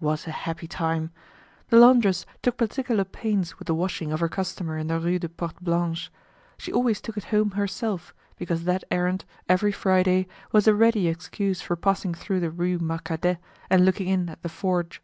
What a happy time! The laundress took particular pains with the washing of her customer in the Rue des Portes Blanches; she always took it home herself because that errand, every Friday, was a ready excuse for passing through the Rue Marcadet and looking in at the forge.